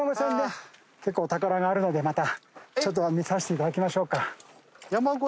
あるのでまたちょっと見させていただきましょうか。